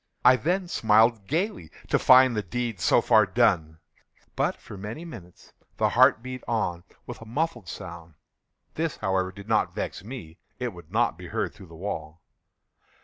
I then smiled gaily, to find the deed so far done. But, for many minutes, the heart beat on with a muffled sound. This, however, did not vex me; it would not be heard through the wall.